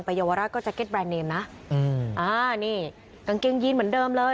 เยาวราชก็จะเก็ตแรนดเนมนะอืมอ่านี่กางเกงยีนเหมือนเดิมเลย